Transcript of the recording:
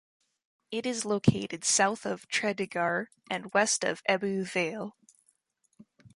It is located south of Tredegar and west of Ebbw Vale.